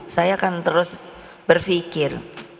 saya akan terus berpikir